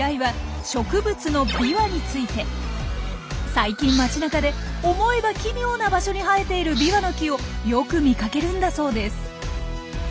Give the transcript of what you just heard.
最近街なかで思えば奇妙な場所に生えているビワの木をよく見かけるんだそうです。